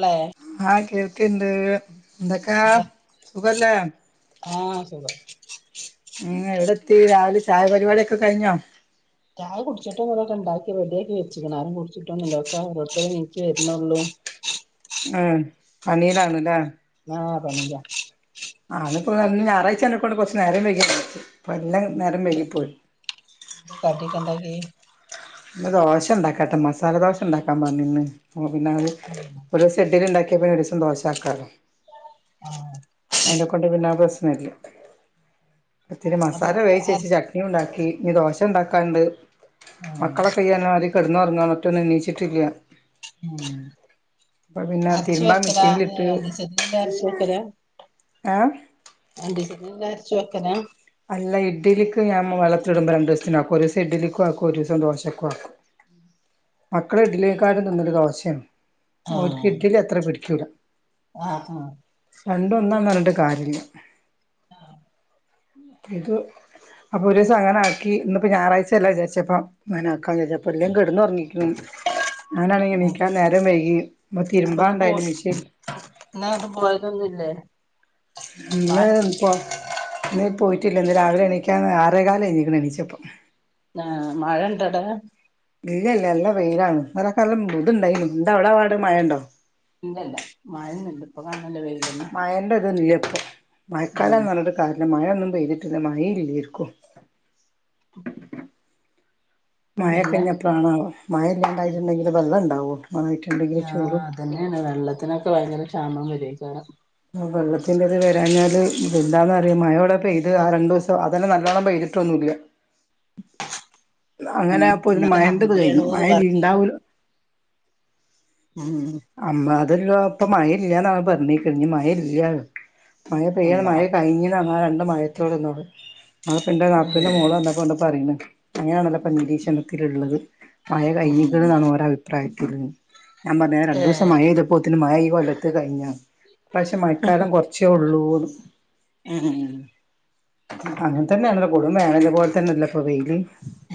ളേ തിന്തെകഴ്വാ എന്തൊക്കാ സുഖല്ലേ ആഹ് സുഖം എവിടെ- ത്തി രാവലെ ചായ പരുപാടിക്കെ കഴിഞ്ഞോ ചായ കുടിച്ചിട്ടോവ രൊക്കെ ഉണ്ടാക്കിറെ ഡി ആക്കി വെച്ചിക്കണ ആരും കുടിച്ചിടട്ടൊന്നുമില്ല ഒക്കെ അവത്ത എീക്ക് വര്ന്നള്ളൂ ഉം പണയിലാണല്ലേ ആ പണീല്ല ആള് അ ഞായറാഴ്ച തെക്ക കൊണ്ട് കുറച്ച് നേരം വൈകിപ്പോയി എല്ലാം നേരം വൈകി പോയി എന്തേ കടിയൊക്കെ [inaudible] ഇ ദോശ ഇണ്ടാക്കട്ടെ മസാല ദോശ ഇണ്ടാക്കാൻ പറഞ്ഞിന്ന് പിന്നെത് ഒരു ദിവസം ഇഡലി ഇണ്ടാക്കിയപ്പ ഒരു ദിവസം ദോശക്കാലോ ആഹ് അയിനെ ക്കൊണ്ട് പിന്നെ ആ പ്രശ്നമല്ല ഇത്തിരി അപ്പൊ മസാല വേവിച്ച് അര വച്ച് ചട്നിയും ഉണ്ടാക്കി ഇനി ദോശ ഉണ്ടാക്കാണ്ട് ഉം മക്കളൊക്കെ ഈ പർഞ്ഞാതിരി കെട്ന്നൊർങ്ങാ ഒറ്റൊന്നും നീച്ചിട്ടില്ല അര്ച്ചു വെക്കലാ രണ്ടീസത്തിന് അര്ച്ചു വെക്കലാ ഏഹ് അണ്ടീസ രച്ചു വെക്കലാ അല്ല ഇഡ്ഡലിക്ക് ഞാൻ വെള്ള ത്തിടുമ്പോ രണ്ടു ദിവസത്തിന ആക്കും ഒരു ദിവസം ഇഡ്ഡലിക്കും ആക്കും ഒരു ദിവസം ദോശക്കും ആക്കും മക്കള് ഇഡലിയെക്കാളും തിന്നത് ദോശയാണ്. ഓരുക്ക് ആഹ് ഇഡലി അത്ര പിടി ക്കൂല ആഹ് ആഹ് രണ്ടൊന്നാണ് അറിഞ്ഞി കാര്യല്ല ഇത് അപ്പൊ ഒരൂസം അങ്ങന ആക്കി ഇന്നിപ്പോ ഞായറാഴ്ചയല്ലെ വിചാരിച്ചപ്പോ അങ്ങന ആക്കാം വിചാരിച്ചപ്പൊ എല്ലാം കെടന്ന് ഉറങ്ങിക്ക്‌ണ് ഞാനാണെങ്കി ആഹ് നീക്കാൻ നേരം വൈകി ഇപ്പ അപ്പൊ ഇന്ന് പോ തിരുമ്പാണ്ടായിരുന്നു മിഷ്യൻ ഇന്ന് എങ്ങട്ടും പോയതൊന്നുല്ലേ ഇന്ന് മഴ ഇപ്പൊ ഇന്ന് പോയിട്ടില്ല ഇന്ന് രാവിലെ എണീക്കാൻ ആറേകാല് കയിഞ്ഞ് ക്ക്‌ണ് എണിച്ചപ്പം ആ മഴ ഉണ്ടോ ടാ ഇല്ല ഇല്ല നല്ല വെയിലാണ് [unintelligible] എന്താ അവിടൊ പാട് മഴണ്ടോ ഇല്ലല്ല മഴന്നും ല്ല ഇപ്പൊ കാണ മയേന്റതില്ലി [inaudible] ഉം മഴക്കാലം നല്ലൊരു കാരണം മഴൊന്നും വെയില് പിന്നെ മഴ യില്ലാർക്കും [inaudible] മയ ക്കെ പിന്നെ ന്ന പ്ലാണാവോ പ മഴ ഉം ഇല്ലാണ്ടായിട്ടുണ്ടെങ്കില് വെള്ളം ഉണ്ടാവോ നായിട്ടുണ്ടെങ്കില് ചൂടും ഷാമം വരോയ്‌ക്കാരം പ്പ വെള്ളത്തിന്റെറത് വരാഞ്ഞാല് ഇതെന്താന്നന്ന് അറിയ മഴോടെ പെയ്ത് ആ രണ്ടു ദിവസം അതന്നെ നല്ലോണ്ണം പെയ്തിട്ടൊന്നുല്ല അങ്ങനെ ഉം അപ്പൊ ഇതിന് ഇന്നത്തെ മയന്റത് കഴിഞ്ഞു വേണോന്ന് മയഇനി പറയും ചെയ്യും ഇണ്ടാവൂല ഉം അമ്പ അതല്ല ഇപ്പൊ മഴ ഇല്ലന്നാണ് പറഞെക്കണത് ഇനി മഴ ഇല്ല മഴ പെയ്യണം അള്ളാ മഴ കഴിഞ്ഞതാന്ന് ആ രണ്ട് മഴയത്തോടെന്നോ ആ പ്പ് ൻ്റെ നാത്തൂന്റെ ഉം മോള് വന്നൊപ്പോണ്ട് പറയണ് അങ്ങനെയാണല്ലോ പ്പ നീ രീ ഷണത്തിലുള്ളത് [inaudible] മഴ ഉം കഴിഞ്ഞിക്കണ്ന്നാണ് ഓരഭിപ്രായം ഞാൻ പറഞ്ഞ ഒരുസം ഏഹ് മഴ പെയ്തപ്പോത്തിന് മഴ ഈ കൊല്ലത്തെ കഴിഞ്ഞ ഇപ്രാവശ്യം മഴക്കാലം കുറച്ചേ ഉള്ളൂ ഉം [unintelligible] അങ്ങനെ തന്നെണല്ലോ കൊടും വേനല് പോലെ തന്നെല്ലേ ഇപ്പൊ വെയില്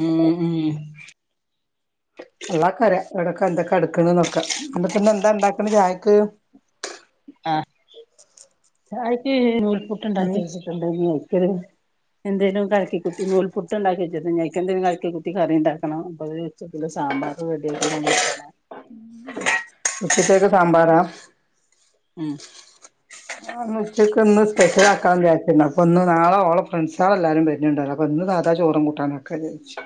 ഉം ഉം അള്ളാ കറയാ എവിടക്കെ എന്തൊക്കെ നടുക്കണ്നൊക്കെ അല്ല പ്പ്ന്ന് എന്താ ഇണ്ടാക്കണ് ചായക്ക് ആന് ചായക്ക് നൂൽ ഉം പുട്ടുണ്ടാക്കി വച്ചിട്ടുണ്ട് യേ [unintelligible] എന്തേലും കലക്കിക്കുത്തി നൂൽപ്പുട്ട് ഉണ്ടാക്കി വെച്ച്ണ്ട് ഞിയ്ക്ക് എന്തേലും കലക്കി കുത്തി കറി ഇണ്ടാക്കണം അപ്പത് വച്ച്ച്ച്ണ്ട് സാമ്പാറ് റെഡി [unintelligible] ഉച്ചത്തേക്ക് സാമ്പാറാ ഉം ആ ന്ന് ഉച്ചക്ക് ഇന്ന് സ്പെഷ്യൽ ആക്കാന്ന് വിചാരിച്ച്ണ്ട് അപ്പൊന്ന് നാളെ ഓളെ ഫ്രണ്ട് സോളൊക്കെഎല്ലാരും വരുന്നിണ്ടല്ലോ അപ്പൊ ഇന്ന് സാദാ ചോറും കൂട്ടാനൊക്കെ വിച്ചു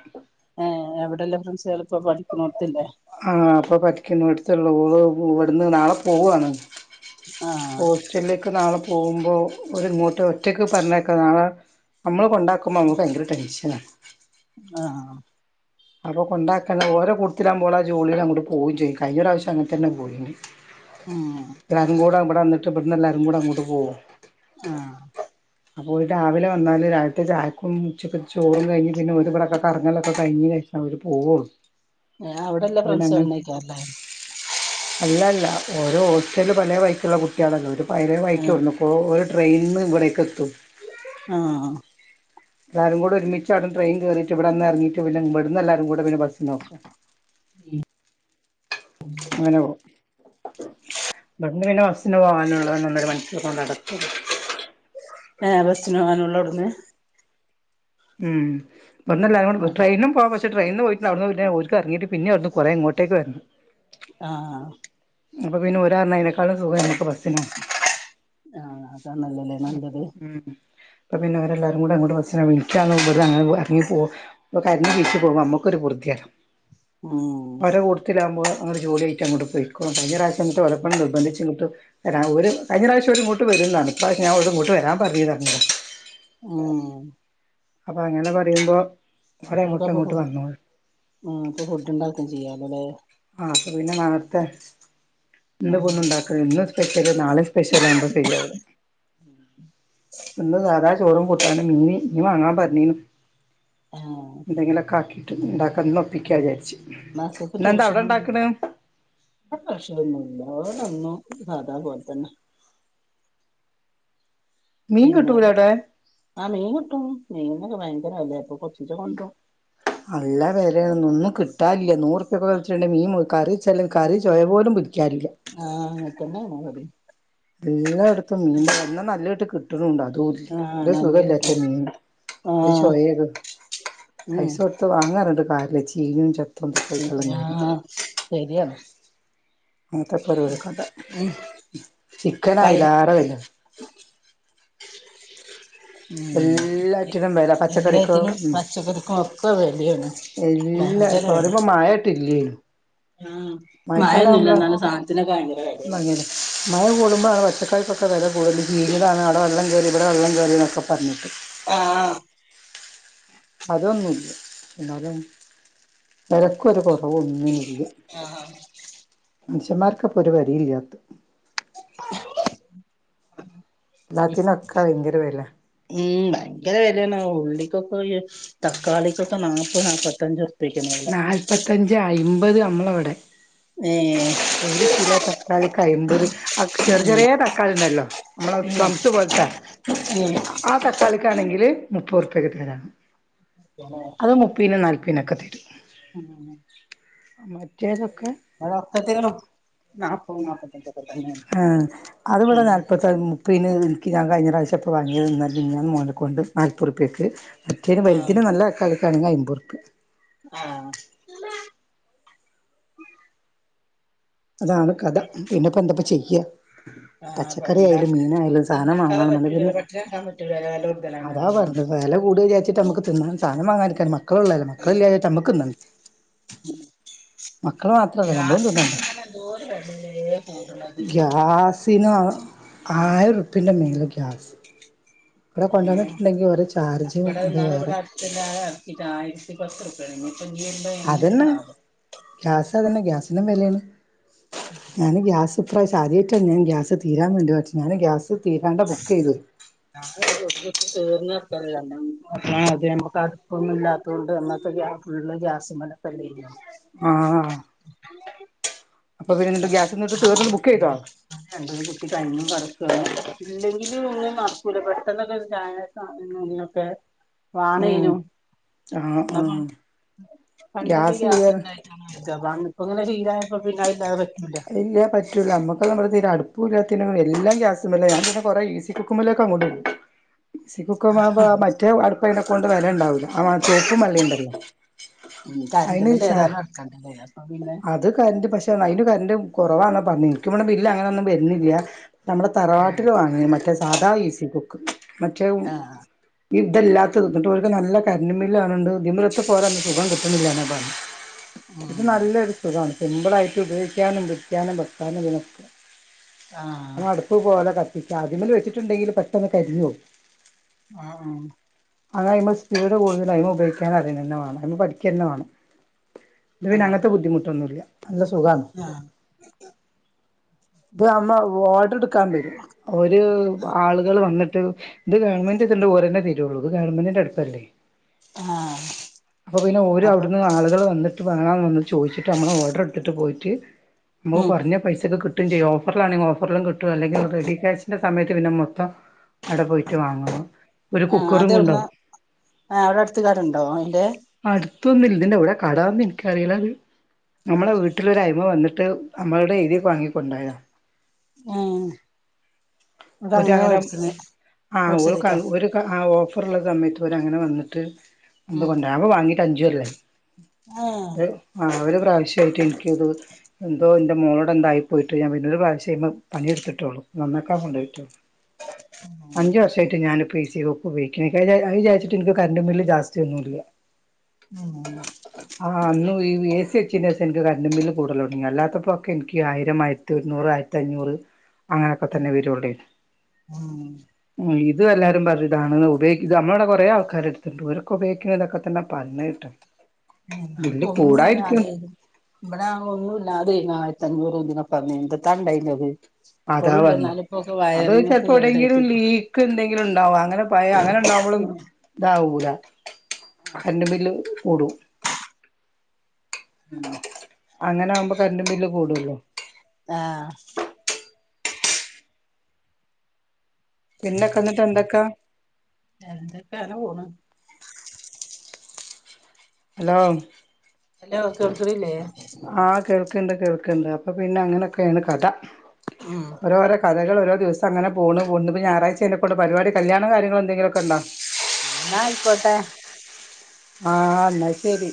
ങ് അ എവിടെള്ള ഫ്രണ്ട്സോള് ആഹ് ഇപ്പോ പഠിക്കണോട് ത്ത്ളളൂ ഉവ്വ് ഇവിടുന്ന് നാളെ പോവാണ് ആഹ് ഹോസ്റ്റലിലേക്ക് നാളെ പോവുമ്പോ ഓര് ഇങ്ങോട്ട് ഒറ്റക്ക് പറഞ്ഞയക്ക നാളെ അമ്മള് കൊണ്ടാക്കുമ്പോ അമുക്ക് ഭയങ്കര ടെൻഷനാ ആഹ് അപ്പൊ കൊണ്ടാക്കണ്ട ഓരോ കൂടത്തിലാമ്പോൾ ആ ജോളില് അങ്ങോട്ട് പോവും ചെയ്യും കഴിഞ്ഞ പ്രാവശ്യം അങ്ങനെ തന്നെ പോയിന് ഉം രംഗോറാവുമ്പോ അപ്പന്നിട്ട് ഇബട്ന്ന് എല്ലാരും കൂടെ അങ്ങോട്ട് പോവും ആഹ് അപ്പൊ ഓല് രാവിലെ വന്നാല് രാവിലത്തെ ചായാക്കും ഉച്ചക്ക് ചോറും കഴിഞ്ഞ് പിന്നെ ഓലു ബടക്കെ കറങ്ങലൊക്കെ കഴിഞ്ഞ് കഴി ഞ്ഞ അവര് പോവളൂ ഞാ അവടള്ള ഫ്രൻഡ്സുകൾ ഉണ്ണ്യ്ക്കാറില്ലേ അല്ലല്ല ഓരോ ഹോസ്റ്റലില് പലേവഴിക്കുള്ള കുട്ട്യോളല്ലേ ഓര് പയരെ ആഹ് വൈയ്ക്കോടുന്നു ക്കോ ഓര് ട്രെയിൻ ഇന്ന് ഇവിടെക്കെത്തും ആഹ് എല്ലാരും കൂടെ ഒരുമിച്ച് അവിടുന്ന് ട്രെയിൻ കേറീട്ട് ഇവിടെ വന്ന് ഇറങ്ങിട്ട് പിന്നെ ഇവടന്ന് എല്ലാരും കൂടെ പിന്നെ ബസ സിനോക്കൊ അങ്ങനെ പോവും [unintelligible] ബ്ടന്ന് പിന്നെ ബസിന് പോവാനുള്ളത് ഒന്നര മണിക്കൂർ കൊണ്ട് അങ്ങടെത്തും ആഹ് ബസിന് പോവാനുള്ളൂ ഇവിടുന്ന് ഉം വ്ട്ന്ന്ല്ലാരും കൂടെ ആഹ് ട്രെയിനും പോവാ ബസ് ട്രയിനി പോയിട്ട് അവിന്ന് ഇറങ്ങിട്ട് പിന്ന അവിടുന്ന് കുറെ ഇങ്ങോട്ടേക്ക് വരുന്നു ആഹ് അപ്പൊ പിന്നെ ഒരായിതനേക്കാളും സുഖം നമ്മക്ക് ബസ്സിനോ വ ആഹ അതണല്ലല്ലേ നല്ലത് അപ്പ പിന്നെ അവരെല്ലാരും കൂടെ അങ്ങോട്ട വിളിക്ക അ ഇറങ്ങി പോവൻ തരിച്ച് പോകാൻ നമക്കൊരു പോർത്തിയാണ് ഉം ബപല കൊടുത്തി ലാവുമ്പ ഇങ്ങടെ ജോലിയിട്ട അങ്ങോട്ട് പോയി കഴിഞ്ഞ പ്രാവശം ത്തെ ഒലെ പ്പം നിർബന്ധിച്ച് ഇൻക്ക് എടാ ഒര് കഴിഞ്ഞ പ്രാവശ്യ ഓര് ഇങ്ങോട്ട് വരുൻല ഇപ്രവാശ്യം ഞാ ഇങ്ങോട്ട് വരാൻ പറ്യട ഏഹേ അപ്പൊ അങ്ങനെ പറയുമ്പോ ഓലങ്ങോട്ടും എന്താപ്പൊ ഇങ്ങോട്ടും ഫുഡ് വന്നോളും ആഹ് ഇപ്പൊ ഫുഡ് ഇണ്ടാക്കും ചെയ്യാലൊ ലേ അഹ് അപ്പൊ പിന്നെ നാളെത്തെ ഇന്ന് ഇപ്പോ ആഹ് ഒന്നും ഇണ്ടാക്ക്ണ് ഇന്ന്സ്പെഷ്യല് നാളെ സ്പെഷ്യല് ആവുമ്പോ സരിയാവുലാ എന്താ ചോറും കൂട്ടാനും മിന് മീംവാങ്ങാൻ പറ്ഞ്ഞീന്നു ആഹ് എന്തെങ്കിലൊക്കാക്കി ഇണ്ടാക്കെ ഇന്ന് ഒപ്പിക്കാ വിചാരിച്ചു മക്കൾക്ക് ട്യൂഷൻ [unintelligible] സാതാ പോലെത്തന്നെ മീൻ പിന്നെ കിട്ടൂലേ അവിടെ ആ മീൻ കിട്ടും മീന്നൊക്കെ ഭയങ്കര വില ഇപ്പോ നല്ല വേലരുന്നു ഇന്ന് കിട്ടാൻ ഇല്ലനൂറുപക്കെ വെടിച്ചങ്കിൽ മീൻ കറി വെച്ചല്ലും കറി ചൊവ പോലും ഇല്ല ആഹ് ഇക്ക് അനെ അങ്ങനെ മതി എല്ലായിടത്തും മീൻ തന്നെ എന്നാൽ നല്ലായിട്ട് കിട്ടും കിട്ട്ണ്ട്ടോഅതും ആഹ് നല്ല ഇല്ലസുഖല്ലാത്ത കിട്ടും മീൻ ആഹ് ചൊയ ഉം പൈസ കൊടുത്ത് വാങ്ങാറുണ്ട് പാർ ചിഞതും ചപ്പ് ആഹ് ശരിയാണ് [inaudible] അത്തെൊക്കെരു കഴി കഥചിക്കൻഅതിലെ റെ വില മ് എല്ലാറ്റിനും വില പച്ചക്കറിക്കോ എല്ലാത്തിനും ഉം പച്ചക്കറിക്കും ഒക്കെ വെലയാണ്, എല്ലാ ഭയങ്കര ഇപ്പൊ വെല. പറയുമ്പോ മഴയായിട്ടില്ലേനു മഴക്കാലം ആവുമ്പളാ [unintelligible] എന്നാലും സാധനത്തിനൊക്കെ ഭയങ്കര വിലയാണ് മഴ കൂടുമ്പഴാണ് പച്ചക്കറിക്ക് ഒക് ഒക്കെ വില കൂടുതൽ ചിഞ്ഞത് ആണ്, അവടെ വെള്ളം കേറി ഇവിടെ വെള്ളം കേറി എന്നൊക്കെ പറഞ്ഞിട്ട് ആഹ് ആഹ് അതൊന്നുല്ല എന്നാലും വെലക്കൊരു കൊറവും ഒന്നിനുല്ല. ആഹ ഹ് മനുഷ്യമ്മാർക്ക്പ്പൊ ഒരു വെലയില്ല്യാത്ത് നത്തിന് ഒക്കെ വയങ്കര [unintelligible] ഉം ഭയങ്കര വെലെണ് ഉള്ളികൊക്കെ തക്കാളികൊക്കെ നാപത് നാപത്തഞ്ച് നാൽപത്തഞ്ച് അയ്മ്പത് അമ്പത് മ്മളവിടെ ഏഹ് ഒരു കിലോ തക്കാളിക്ക് അയ്മ്പത് അക് ചെറി ഉം ചെറേ തക്കാളിണ്ടല്ലൊ. മ്മളെ ഉം പ്ലംസ് പോലത്തെ ഉം ആ തക്കാളിക്കാണെങ്കില് മുപ്പോറ്പ്യ പേക്ക്തരാന്ന് അത് മുപ്പീനും നാൽപ പ്പീനക്കെതരും ആ മറ്റേസം അതൊക്കത്തീനും ന്നാപ്പോം നാപ്പത്തഞ്ചും ആഹ് അത് ഇവടെ നാൽപത്തൻ മുപ്പീന്. ഇൻക്ക് ഞാൻ കഴിഞ്ഞ പ്രാ ചപ്പൊ വാങ്ങിയത് ഇന്നെല മിൻഞ്ഞാന്ന് മോനെക്കൊണ്ട് നാൽപ്പൊർപ്പിയക്ക് മറ്റേന് ആഹ് വല്തിന് നല്ലതക്കാളി കെഴങ്ങ് അയ്മ്പൊർപ്യ ആഹ് അതാണ് കഥ. പിന്നെപ്പൊ എന്തപ്പ ചെയ്യ ക്യ ആഹ് ഇപ്പേന്ത സാധനം ഇണ്ടാക്കാതെ വാങ്ങണന്നുണ്ടെ പിന്നെ പറ്റൂലല്ലോ പട്ടിണട്ക്കാൻ പറ്റൂലല്ലോ വെലകൂട്തലാണ് പറഞ്ഞ്കാണ്ട് ട്ട് ഞമക്ക് തിന്നണം സാനം വാങ്ങാതെക്കാനും മാ മക്കള് ള്ളല്ലെ മക്കളില്ലേച ഞമക്ന്നണ്ടെ ഉം മാത്രല്ല നമ്മളും തിന്നണ്ടേ ഗ്യാസിനൊകെങ്ങനെ എന്തോര് വെലെലേ കൂട്ണത് ആയിർപ്പ്യന്റെ മേലെ ഗ്യാസ് ഇവിടെ ആഹ് കൊണ്ടുവന്നിട്ടുണ്ടെങ്കി ഓരോ ചാർജും അത് ഇവിടെന്നാള് വേറെ ഇവ്ടെ അടുത്ത്ണ്ടാ അറ്ക്കീട്ട് ആയിരത്തി പത്ത് റു തേങ്ങൊ ഇപ്പഞ്ഞ് വര്മ്പൊ അതന്നെ എങ്ങനേണാവോ ഗ്യാസ് അതന്നെ ഗ്യാസിനും വെലേണ് ഞാന് ഗ്യാസ് ഇപ്രാവശ്യം ആദ്യായിട്ട ഞാൻ ഗ്യാസ് തീരാൻ വേണ്ടി [unintelligible] ഞാന് ഗ്യാസ് തീരാണ്ട ബുക്ക് ചെയ്തു ഞാൻ [unintelligible] തീർന്ന് [unintelligible] [unintelligible] അ അതെ നമ്മക്ക് അടുപ്പൊന്നും ഇല്ലാത്തോണ്ട് നമ്മക്ക് ഗ്യാസ് ഫുള് ഗ്യാസ്മലൊക്കലെയ്നോ ആഹ് [unintelligible] [unintelligible] എന്നിട്ട് ഗ്യാസ് എന്നിട്ട് തീർന്നിട്ട് ബുക്ക് ചെയ്തോ ഇല്ലെങ്കില് ഒന്നും നടക്കൂല പെട്ടന്നൊക്കെ [unintelligible] ഒക്കെ ഉം വാണേനു ആഹ് ആഹ് [unintelligible] പണ്ടൊക്കെ ഗ്യാസ് കേർ ഗ്യാസ്ണ്ടായി [unintelligible] ഇപ്പ എങ്ങനെ ചെയ്യും. [unintelligible] പിന്ന ഇല്ലാതെ. അത് ഇല്ലേ പറ്റൂല നമ്മക്ക് നമ്മുടെ തീര അടുപ് [unintelligible] എല്ലാം ഗ്യാസ് മേലാ ഞാൻ പിന്നെ കൊറെ ഈസി കുക്കുമേലേക്കങ്ങോട്ടിടും. ഈസി കുക്കുമാവുമ്പോ മറ്റേ അടുപ്പേല് കൊണ്ടുവ തെ ണ്ടാവൂല [unintelligible] ചോപ്പും വെള്ളേണ്ടല്ലോ ഉം കറന്റ് അയ്ന് ബില്ല് ശ ഏതായാലും അടക്കണ്ടല്ലേ അപ്പൊ പിന്നെ അത് കര്ൻ്റ് പക്ഷേ അയ്‌ല് ക ൻ്റും കൊറവാന്ന പർഞ്ഞെ ഇൻക്ക് വടെ ബില്ല് അങ്ങനൊന്നും വര്ന്നില്ല. നമ്മളെ ഉം തറവാട്ടില് വാങ്ങി മറ്റേ സ് സാധാ ഈ സി ക്കുക്ക്. മറ്റേ ഉം ആഹ് ഇ തല്ലാത്തത് ന്നട്ട് ഓൽക്ക് നല്ല കര്ൻ്റ് ബില്ലാണ് ണ്ട് ഇത് മലത്തെ പോലെ [unintelligible] സുഖം കിട്ട്ണിന്ല്ലാന്നാ പർഞ്ഞെ. ഇത് ഉം നല്ലൊരു സുഖാണ്. സിമ്പിളായിട്ട് ഉപയോഗി ക്കാനും പിടിക്കാനും വെക്കാനും ഇതിനൊക്കെ [unintelligible] ആഹ് അട്പ്പ് പോലെ ക ത്തിച്ചാ അതിമേല് വെച്ചിട്ട്ണ്ടെങ്കില് പെട്ടെന്ന് കരിഞ്ഞോവും. ഉം അതയ്മെ സ്പീഡ് കൂടുത ഇതയ്‌മെ ഉപയോഗിക്കാനറ്യെനെന്നെ വാണം അയ്‌മെ പഠിക്ക്യന്നെ വാണം. ഇത് പിന്നെ ആഹ് അങ്ങൻത്തെ ബുദ്ധിമുട്ടൊന്നുല്ല നല്ല സുഖാണ്. ആഹ് ഇത്വാ ഉമ്മോ വോ ക്കം വെരും ഒരു ആളുകള് വന്നി ഇത് ഗവൺമെന്റ് ഇത്ന്റെ ഒരണ്ണെ തരുള്ളൂ. ഇത് ഗവൺമെന്റിന്റെ അട്പ്പല്ലേ. ആഹ് അപ്പൊ പിന്നെ ഓര് അപ്പൊ അവ്ടുന്ന് ആള്കള് വന്നിട്ട്. വേണോന്ന് ഒന്ന് ചോയ്ച്ചിട്ട് അമ്മടെ ഓഡർ എട്ത്തിട്ട് പോയിട്ട് മ്മക്ക് ഉം പർഞ്ഞ പൈസൊക്കെ കിട്ട് ട്ടും ചെയ്യും. ഓഫർലാണങ്കി ഓഫർ ലും കിട്ടും. അല്ലെങ്കിൽ റെഡി ക്യാഷ് സമയത്ത് പിന്നെ മൊത്തം അടെ പോയിട്ട് വാങ്ങണം. ഒരു ആഹ് കുക്കറും അതെവിടുന്നാ ക്കുണ്ടാവും. ആഹ് അവിടെ അടുത്ത് കടണ്ടോ അയിന്റെ ത്തെന്നില്ല ഇതിൻന്റെ കട എന്ന് എനിക്കറിയില്ല അത് നമ്മെ വീട്ടിലൊരായ്മ വന്നിട്ട് നമ്മളടെ എഴുതി വാങ്ങിക്കും കൊണ്ടായ ഉം ഇവിടെ ഒരു അങ്ങനെ അഹാരം മേടിച്ചത് ഒരു മേടിച്ചതേക്കാ ആ ഓ അപ്പറള്ള തന്നിട്ട് ഒരെ അങ്ങനെ തന്നിട്ട് ഉം എന്തുകൊണ്ട വാങ്ങി അഞ്ചുപേരുവായി ഏഹ് ആ ഒരു പ്രാവശ്യമായിട്ട് എനിക്ക്ത് എന്തോ മോളോട് എന്തായും പോയിട്ട് ഞാൻ പിന്നെൊരു പ്രാവശ്യമേ പണിയെടുത്തിട്ടുള്ളു നന്നാക്കാ കൊണ്ടുപോയിട്ടുള്ളു അഞ്ചു വർഷ ആയിട്ട് ഞാൻ ഇപ്പോ എസി ഉപയോഗിക്ക അ വിചാരിച്ചിട്ട് എനിക്ക് കറൻ്റ് ബില്ല് ജാസ്തിയായിട്ട് ഒന്നുമില്ല ഉം ആഹ് അന്നും ഈ എസി ഐന്റെസം ൻക്ക് കറണ്ടിബില്ല് കൂടലൊട്ങ്ങി അല്ലാത്തപ്പോക്കെ ഇൻക്ക് ആയിര ആയിരം ആയിരത്തി ഒരുന്നൂറ് ആയിരത്തി അഞ്ഞൂറ് അങ്ങനെയൊക്കെ തന്നെ വരൂള്ളൊനീ ഉം ഇ ഇത് എല്ലാരും പറയുതാണ് ഉപയോഗിക്ക നമ്മുടെ കൊറേ ആൾക്കാർടുത്തിട്ടുണ്ട് ഓരക്കെ ഉപയോഗിക്കുന്ന ഇതൊക്കെ തന്നെ പറഞ്ഞ കേട്ട് ബില്ല് കൂടായിരിക്കും ഒന്നുല്ലാതെ ഇവിടെ ഒന്നുല്ലാതെ ആയി അഞ്ഞുറോ രൂപ്യയ പറഞ്ഞ എന്ത താണ്ടായിരുന്നത് അതാ പറഞ്ഞ അത് ഒക്കെ ചെലപ്പോ എവിടെയ്ങ്കിലും കേടായിട്ട് ലീക്ക് എന്തെങ്കിലും ഉണ്ടാവും അങ്ങനെ പയ അങ്ങനെ ഉണ്ടാവുമ്പളും ഇതാവൂല കറണ്ടുബില്ല് കൂടും ഉം അങ്ങനെ ആകുമ്പോ കറണ്ട് ബില്ല് കൂടുല്ലോ ആഹ പിന്തൊക്കെന്നിട്ട് എന്തൊക്കാ എന്ത കാന പോണ ഹലോ ഹലോ കേക്കണില്ലേ ആഹ കേൾക്കണ്ട് കേൾക്കണ്ട് അപ്പൊ പിന്നെ അങ്ങനൊക്കെയാണ് കഥ ഉം ഓരോ ഓരോ കഥകളെ ഓരോ ദിവസം അങ്ങന പോണു ഇന്നിപ്പ ഞായാഴ്ച അല്ലേ എന്നെക്കണ്ട് പരിപാടി കല്യാണകാര്യങ്ങളാ എന്തെങ്കിലുമക്കെ ഉണ്ടോ ന്നാ ആയിക്കോട്ടെ ആഹ എന്ന ശരി